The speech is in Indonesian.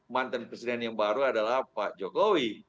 mantan presiden yang baru adalah pak jokowi